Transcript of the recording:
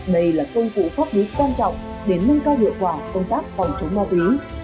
đây là công cụ pháp lý quan trọng để nâng cao hiệu quả công tác phòng chống ma túy